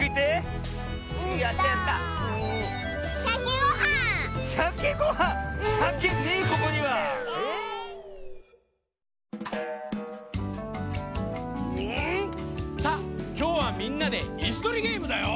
うん！さあきょうはみんなでいすとりゲームだよ。